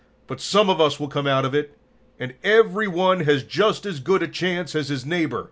But some of us will come out of it, and every one has just as good a chance as his neighbor.